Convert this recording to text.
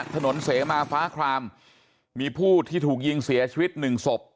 ถนนเสมาฟ้าครามมีผู้ที่ถูกยิงเสียชีวิตหนึ่งศพ